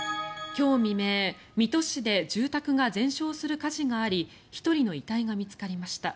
今日未明、水戸市で住宅が全焼する火事があり１人の遺体が見つかりました。